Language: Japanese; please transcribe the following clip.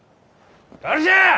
誰じゃ！